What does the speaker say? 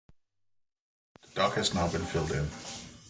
Apart from the entrance channel, the dock has now been filled in.